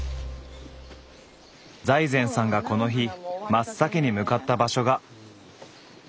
財前さんがこの日真っ先に向かった場所が。